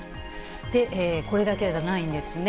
これだけじゃないんですね。